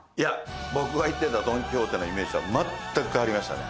僕が行ってたドン・キホーテのイメージとはまったく変わりましたね。